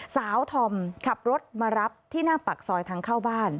สาวธอมขับรถมารับที่หน้าปากซอยทางเข้าบ้าน